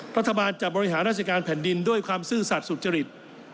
รัฐบาลจะบริหารราชการแผ่นดินด้วยความซื่อสัตว์สุจริต